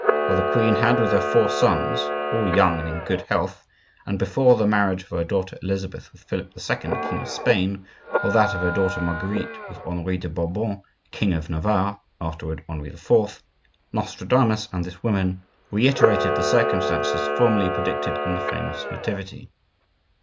while the queen had with her her four sons, all young and in good health, and before the marriage of her daughter Elizabeth with Philip II., king of Spain, or that of her daughter Marguerite with Henri de Bourbon, king of Navarre (afterward Henri IV.), Nostradamus and this woman reiterated the circumstances formerly predicted in the famous nativity.